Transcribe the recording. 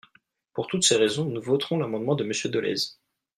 Pour toutes ces raisons, nous voterons l’amendement de Monsieur Dolez.